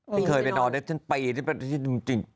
ไม่เคยไปนอนแต่ฉันไปจริง